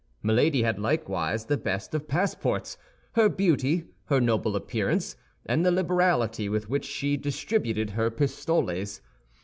Milady had, likewise, the best of passports—her beauty, her noble appearance, and the liberality with which she distributed her pistoles.